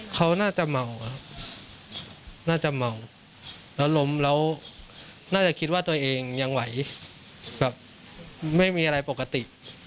เขาน่าจะเมาครับน่าจะเมาแล้วล้มแล้วน่าจะคิดว่าตัวเองยังไหวแบบไม่มีอะไรปกติ